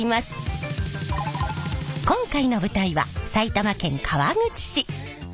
今回の舞台は埼玉県川口市。